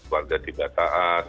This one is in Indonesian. warga tidak taat